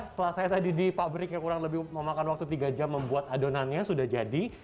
setelah saya tadi di pabrik yang kurang lebih memakan waktu tiga jam membuat adonannya sudah jadi